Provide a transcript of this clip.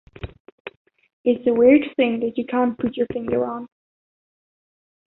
It's a weird thing that you can't put your finger on...